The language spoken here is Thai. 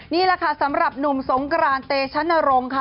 นี่แหละค่ะสำหรับหนุ่มสงกรานเตชนรงค์ค่ะ